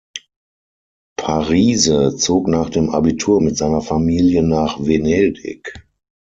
Parise zog nach dem Abitur mit seiner Familie nach Venedig.